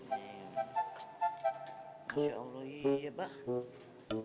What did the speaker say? masya allah iya mbak